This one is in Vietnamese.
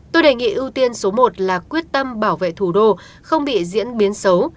tôi đề nghị ưu tiên số một là quyết tâm bảo vệ thủ đô không bị diễn biến xấu